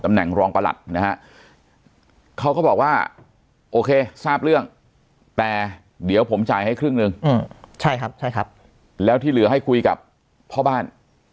ไม่ได้บอกที่เหลือให้คุยกับพ่อบ้าน